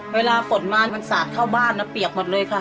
เวลาฝนมามันสาดเข้าบ้านนะเปียกหมดเลยค่ะ